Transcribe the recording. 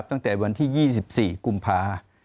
ตั้งแต่วันที่๒๔กุมภา